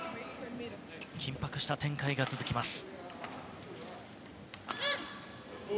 緊迫した展開が続きます。